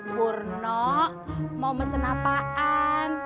purno mau mesen apaan